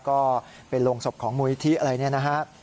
ก็เป็นลงศพของมูลวิธีอะไรเนี่ยนะครับ